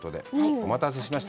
お待たせしました。